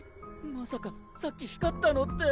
まさかさっき光ったのって。